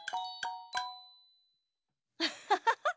アッハハハ。